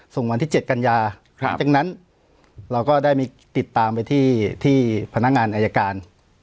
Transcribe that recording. วันที่๗กันยาหลังจากนั้นเราก็ได้มีติดตามไปที่พนักงานอายการ